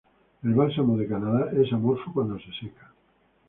El Bálsamo de Canadá es amorfo cuando se seca.